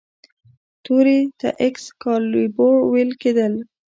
تورې ته ایکس کالیبور ویل کیدل.